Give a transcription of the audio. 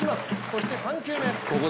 そして３球目。